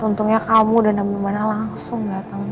untungnya kamu dan nama mana langsung datang